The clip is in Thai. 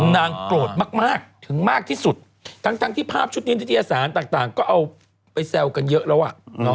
นางโกรธมากถึงมากที่สุดทั้งที่ภาพชุดนินิตยสารต่างก็เอาไปแซวกันเยอะแล้วอ่ะ